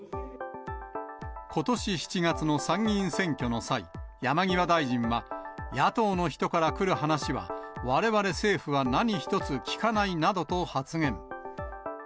ことし７月の参議院選挙の際、山際大臣は、野党の人から来る話は、われわれ政府は何一つ聞かないなどと発言。